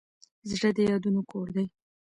زړه د یادونو کور دی.